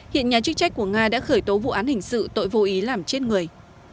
hiện nhà chức trách của nga đã khởi tố vụ án hình sự tội vô ý làm chết người